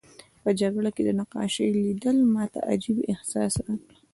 په جګړه کې د نقاشۍ لیدل ماته عجیب احساس راکړ